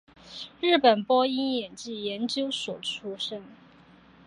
日本播音演技研究所出身。